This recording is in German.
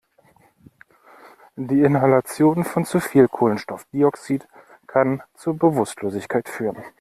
Die Inhalation von zu viel Kohlenstoffdioxid kann zur Bewusstlosigkeit führen.